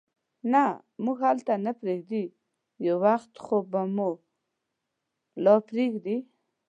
نه، موږ هلته نه پرېږدي، یو وخت خو به مو لا پرېږدي.